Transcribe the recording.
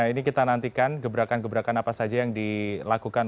ini kita nantikan gebrakan gebrakan apa saja yang dilakukan